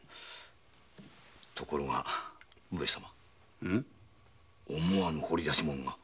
ところが思わぬ掘り出し物が。